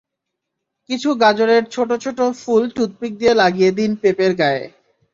কিছু গাজরের ছোট ছোট ফুল টুথপিক দিয়ে লাগিয়ে দিন পেঁপের গায়ে।